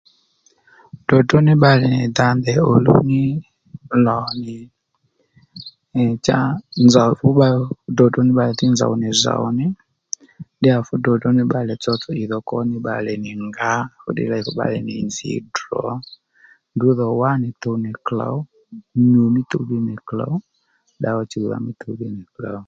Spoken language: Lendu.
Dròdró ní bbalè nì dǎ ndèy òluw nì lò nì cha nzòw ùbe dròdró ní bbalè dhí nzòw nì zòw ní ddíyà fú dròdró ní bbalè tsotso ì dho kwo nì ndrǔ nì ngǎ fúddiy lêy bbalè nì nzǐy drǒ ndrǔ dhò wánì tuw nì klǒw nyû mí tuw ddí nì klǒw ddǎwà chùwdha mí tuw ddí nì klǒw